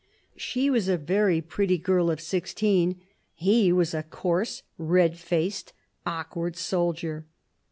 She was a very pretty girl of sixteen ; he was a coarse, red faced, awkward soldier.